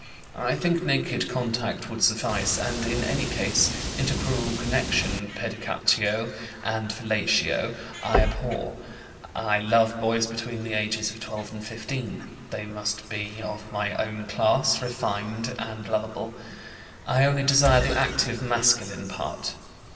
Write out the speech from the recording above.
I think naked contact would suffice, and in any case intercrural connection. Pedicatio and fellatio I abhor. I love boys between the ages of 12 and 15; they must be of my own class, refined, and lovable. I only desire the active masculine part.